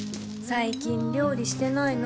最近料理してないの？